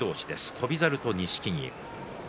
翔猿と錦木。